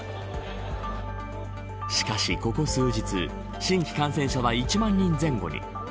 しかし、ここ数日新規感染者は１万人前後に。